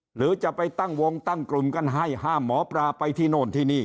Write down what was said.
หรือจะไปตั้งวงตั้งกลุ่มกันให้ห้ามหมอปลาไปที่โน่นที่นี่